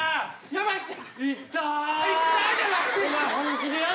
やばいって！